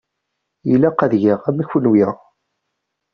Ilaq ad geɣ am kunwi.